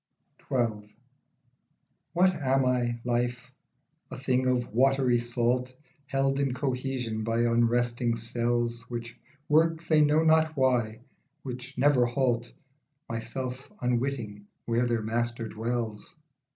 XII. T T THAT am I, Life ? A thing of watery VV salt Held in cohesion by unresting cells Which work they know not why, which never halt, Myself unwitting where their master dwells.